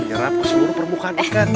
menyerap ke seluruh permukaan ikan